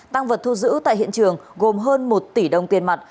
tăng vật thu giữ tại hiện trường gồm hơn một tỷ đồng tiền mặt